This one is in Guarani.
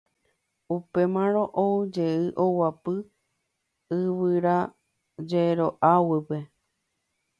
Upémarõ oujey oguapy yvyrajero'a guýpe.